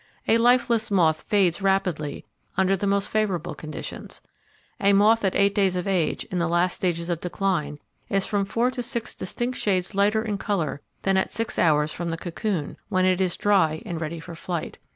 A lifeless moth fades rapidly under the most favourable conditions. A moth at eight days of age, in the last stages of decline, is from four to six distinct shades lighter in colour than at six hours from the cocoon, when it is dry, and ready for flight.